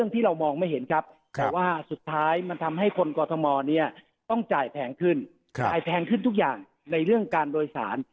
ทำให้คนกฎมรณ์ต้องจ่ายแพงขึ้นจ่ายแพงขึ้นทุกอย่างในเรื่องการโดยสาร